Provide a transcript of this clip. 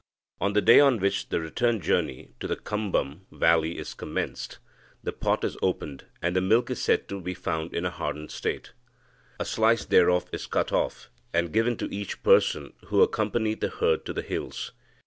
On the day on which the return journey to the Kambam valley is commenced, the pot is opened, and the milk is said to be found in a hardened state. A slice thereof is cut off, and given to each person who accompanied the herd to the hills.